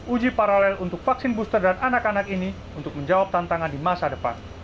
uji paralel untuk vaksin booster dan anak anak ini untuk menjawab tantangan di masa depan